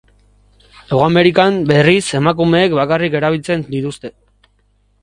Hego Amerikan, berriz, emakumeek bakarrik erabiltzen dituzte.